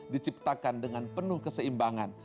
diciptakan dengan penuh keseimbangan